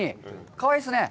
かわいいですね。